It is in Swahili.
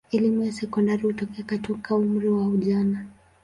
Elimu ya sekondari hutokea katika umri wa ujana.